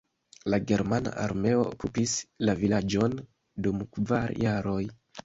La ĝermana armeo okupis la vilaĝon dum kvar jaroj.